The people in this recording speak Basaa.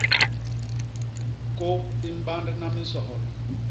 Kôp i mbandna minsohol.